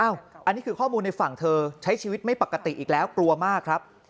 อันนี้คือข้อมูลในฝั่งเธอใช้ชีวิตไม่ปกติอีกแล้วกลัวมากครับ